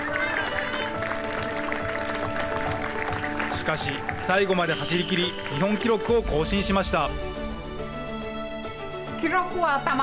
しかし、最後まで走りきり日本記録を更新しました。